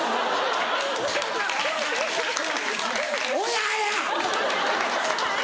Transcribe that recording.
親や‼